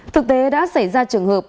thực tế đã xảy ra trường hợp